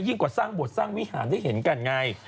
กว่าสร้างบทสร้างวิหารได้เห็นกันไง